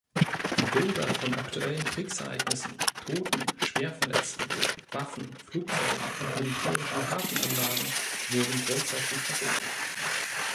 Bilder von aktuellen Kriegsereignissen, Toten, Schwerverletzten, Waffen, Flugzeugen und militärischen Hafenanlagen wurden grundsätzlich verboten.